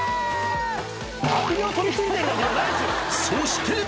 ［そして］